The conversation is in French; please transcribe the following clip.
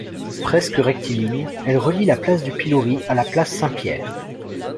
Presque rectiligne, elle relie la place du Pilori à la place Saint-Pierre.